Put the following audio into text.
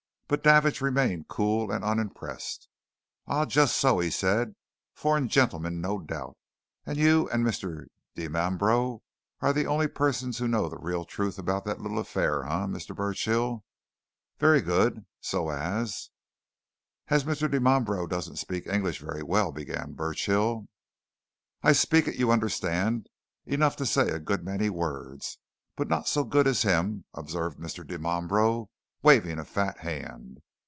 But Davidge remained cool and unimpressed. "Ah, just so!" he said. "Foreign gentleman, no doubt. And you and Mr. Dimambro are the only persons who know the real truth about that little affair, eh, Mr. Burchill. Very good, so as " "As Mr. Dimambro doesn't speak English very well " began Burchill. "I speak it you understand enough to say a good many words but not so good as him," observed Mr. Dimambro, waving a fat hand.